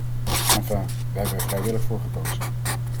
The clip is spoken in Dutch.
Enfin, wij hebben er vrijwillig voor gekozen.